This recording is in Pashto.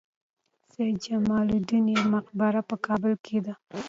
د سید جمال الدین مقبره په کابل کې ده